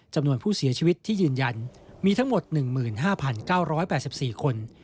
จำนวนผู้เสียชีวิตที่ยืนยันมีทั้งหมด๑๕๙๘๔คน